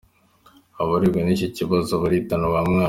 Abarebwa n’iki kibazo baritana ba mwana.